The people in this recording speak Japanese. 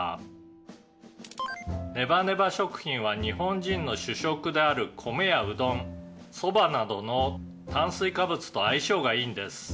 「ネバネバ食品は日本人の主食である米やうどんそばなどの炭水化物と相性がいいんです」